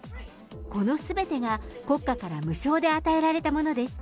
このすべてが国家から無償で与えられたものです。